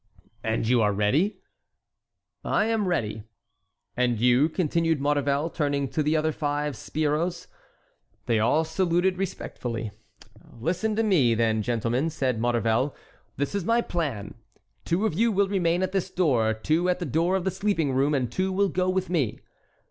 "And you are ready?" "I am ready." "And you?" continued Maurevel, turning to the other five sbirros. They all saluted respectfully. "Listen to me, then, gentlemen," said Maurevel; "this is my plan: two of you will remain at this door, two at the door of the sleeping room, and two will go with me."